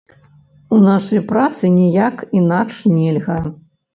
У нашай працы ніяк інакш нельга.